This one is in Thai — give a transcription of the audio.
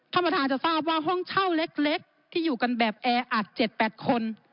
ท่านประธานจะทราบว่าห้องเช่าเล็กที่อยู่กันแบบแออัด๗๘คน